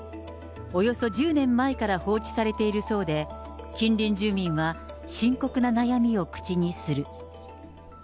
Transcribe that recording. およそ１０年前から放置されているそうで、近隣住民は深刻な悩みを口にする。